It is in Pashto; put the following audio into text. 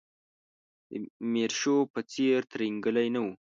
د میرشو په څېر ترینګلی نه و.